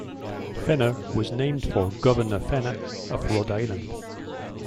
Fenner was named for Governor Fenner, of Rhode Island.